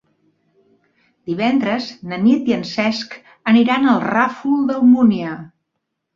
Divendres na Nit i en Cesc aniran al Ràfol d'Almúnia.